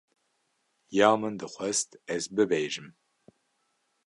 Ya min dixwest ez bibêjim.